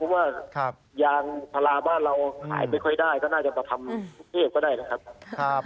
เพราะว่ายางพาราบ้านเราขายไม่ค่อยได้ก็น่าจะมาทำกรุงเทพก็ได้นะครับ